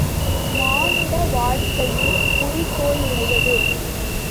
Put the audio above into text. மானுட வாழ்க்கையும் குறிக்கோளுடையது.